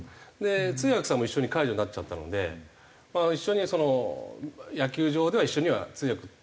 通訳さんも一緒に解除になっちゃったので一緒にその野球場では一緒には通訳の仕事は。